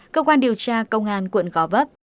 ba cơ quan điều tra công an tp gó vấp